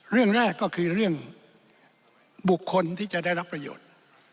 เรื่องแรกก็คือเรื่องบุคคลที่จะได้รับประโยชน์